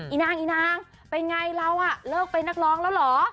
อนางอีนางเป็นไงเราเลิกเป็นนักร้องแล้วเหรอ